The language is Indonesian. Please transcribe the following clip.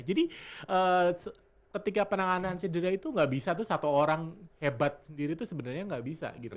jadi ketika penanganan cedera itu nggak bisa tuh satu orang hebat sendiri tuh sebenarnya nggak bisa gitu